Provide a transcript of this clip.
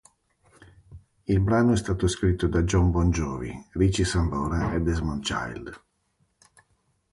Il brano è stato scritto da Jon Bon Jovi, Richie Sambora e Desmond Child.